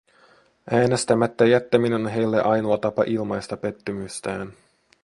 Äänestämättä jättäminen on heille ainoa tapa ilmaista pettymystään.